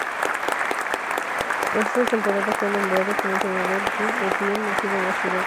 Tras esa temporada, fue nombrado como entrenador Jim O'Brien, nacido en la ciudad.